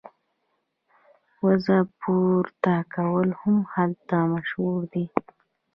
وزنه پورته کول هم هلته مشهور دي.